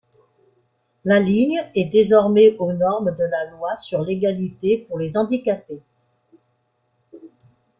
La ligne est désormais aux normes de la loi sur l'égalité pour les handicapés.